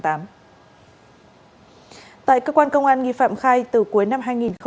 tại cơ quan công an nghi phạm khai từ cuối năm hai nghìn hai mươi ba